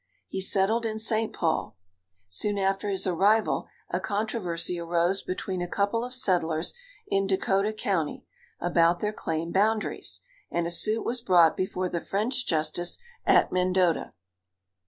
He settled in St. Paul. Soon after his arrival a controversy arose between a couple of settlers in Dakota county about their claim boundaries, and a suit was brought before the French justice at Mendota.